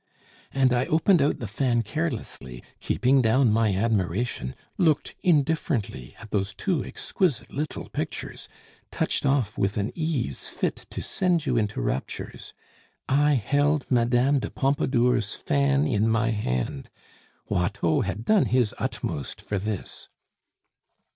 And I opened out the fan carelessly, keeping down my admiration, looked indifferently at those two exquisite little pictures, touched off with an ease fit to send you into raptures. I held Mme. de Pompadour's fan in my hand! Watteau had done his utmost for this.